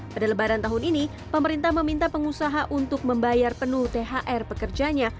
pada lebaran tahun ini pemerintah meminta pengusaha untuk membayar penuh thr pekerjanya